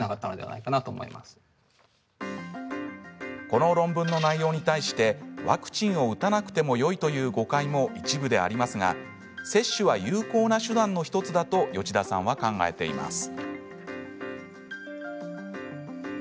この論文の内容に対してワクチンを打たなくてもよいという誤解も一部でありますが接種は有効な手段の１つだと吉田さんは考えています。